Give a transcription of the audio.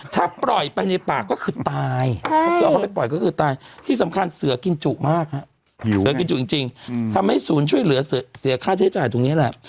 ถ้าปล่อยไปในป่าก็คือตายที่สำคัญเสือกินจุมากฮะเสือกินจุจริงทำให้ศูนย์ช่วยเหลือเสียค่าใช้จ่ายตรงนี้แหละ